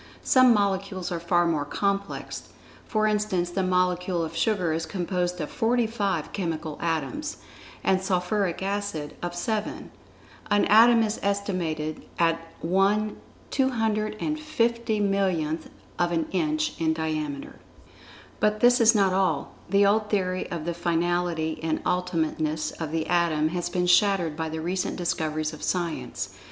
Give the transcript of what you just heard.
Some molecules are far more complex, for instance the molecule of sugar is composed of forty five chemical atoms, and sulphuric acid of seven. An atom is estimated at one 250,000,000th of an inch in diameter. But this is not all. The old theory of the finality, and ultimateness of the Atom has been shattered by the recent discoveries of Science.